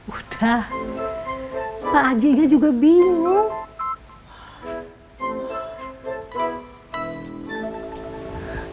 udah pak ajinya juga bingung